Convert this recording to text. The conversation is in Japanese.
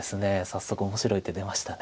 早速面白い手出ました。